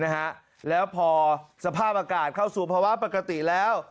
นะฮะแล้วพอสภาพอากาศเข้าสู่ภาวะปกติแล้ว